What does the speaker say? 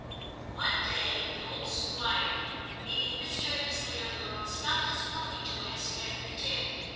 One day the old Squire, meeting Mr. Ebbesley on the road, stopped his pony to ask after Tim.